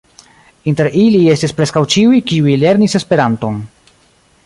Inter ili estis preskaŭ ĉiuj, kiuj lernis Esperanton.